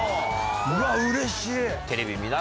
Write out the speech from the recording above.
うわうれしい！